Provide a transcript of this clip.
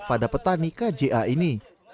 pada petani kja ini